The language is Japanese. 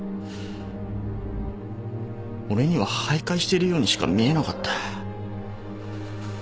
俺には徘徊してるようにしか見えなかった。